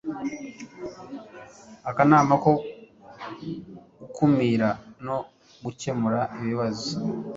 akanama ko gukumira no gukemura ibibazo